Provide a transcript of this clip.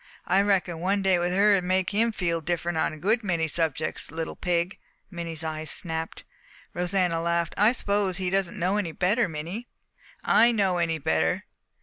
I reckon one day with her would make him feel different on a good many subjects. Little pig!" Minnie's eyes snapped. Rosanna laughed. "I suppose he doesn't know any better, Minnie." "Know any better?